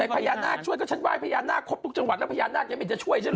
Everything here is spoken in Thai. พญานาคช่วยก็ฉันไหว้พญานาคครบทุกจังหวัดแล้วพญานาคยังไม่เห็นจะช่วยฉันเห